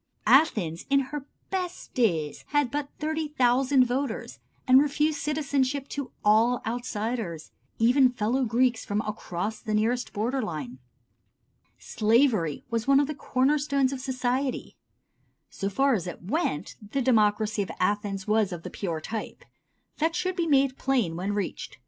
Athens in her best days had but 30,000 voters, and refused citizenship to all outsiders, even fellow Greeks from across the nearest border line. Slavery was one of the corner stones of society. So far as it went, the democracy of Athens was of the pure type. That should be made plain when reached.